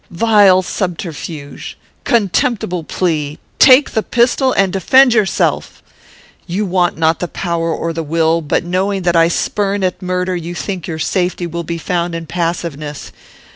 Vile subterfuge! Contemptible plea! Take the pistol and defend yourself. You want not the power or the will; but, knowing that I spurn at murder, you think your safety will be found in passiveness.